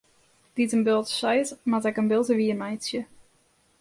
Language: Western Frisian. Dy't in bulte seit, moat ek in bulte wiermeitsje.